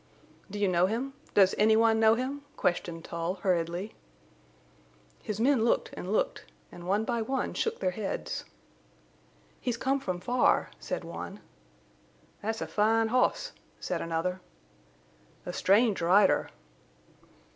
"Do you know him? Does any one know him?" questioned Tull, hurriedly. His men looked and looked, and one by one shook their heads. "He's come from far," said one. "Thet's a fine hoss," said another. "A strange rider."